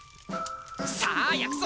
さあやくぞ！